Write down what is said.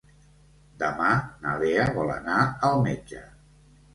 Demà na Lea vol anar al metge.